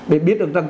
để biết được rằng